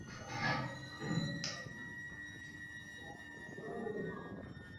কে চুরি করছে?